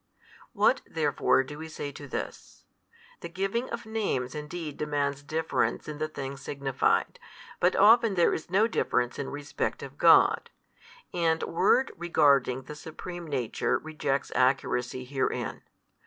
What therefore do we say to this? The giving of names |227 indeed demands difference in the things signified, but often there is no difference in respect of God, and word regarding the supreme Nature rejects accuracy herein.